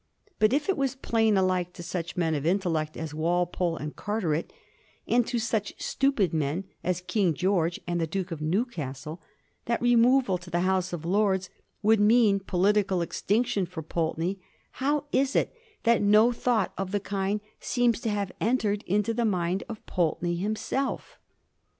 But if it was plain alike to such men of intellect as Walpole and Carteret, and to such stupid men as King George and the Duke of Newcastle, that removal to the House of Lords would mean political extinction for Pulte ney, how is it that no thought of the kind seems to have entered into the mind of Pulteney himself?